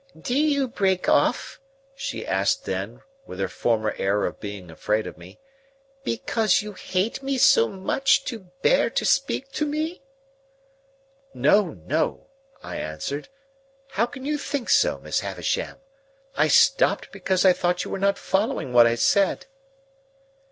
"Do you break off," she asked then, with her former air of being afraid of me, "because you hate me too much to bear to speak to me?" "No, no," I answered, "how can you think so, Miss Havisham! I stopped because I thought you were not following what I said."